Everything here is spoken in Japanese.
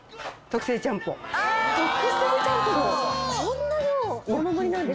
特製ちゃんぽん。